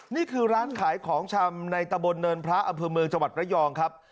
นี่คือร้านขายของชำในตะบนเนินพระอำเภอเมืองจังหวัดระยองครับ